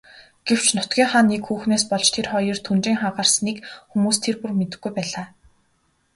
Гэвч нутгийнхаа нэг хүүхнээс болж тэр хоёрын түнжин хагарсныг хүмүүс тэр бүр мэдэхгүй байлаа.